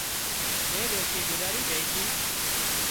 زي ڏوشي گذارِي جھئي تِي